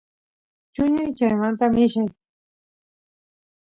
chuñay chaymanta millay